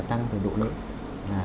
tăng về độ lớn